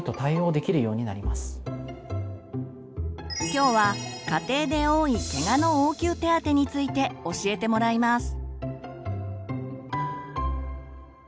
きょうは家庭で多いケガの応急手当について教えてもらいます。